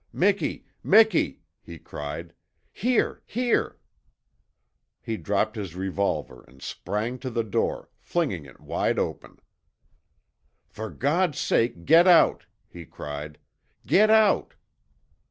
"Miki, Miki," he cried. "Here! Here!" He dropped his revolver and sprang to the door, flinging it wide open. "For God's sake get out!" he cried. "GET OUT!"